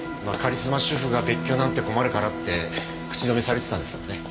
まあカリスマ主婦が別居なんて困るからって口止めされてたんですけどね。